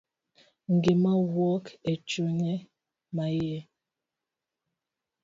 Gima owuok e chunye maiye.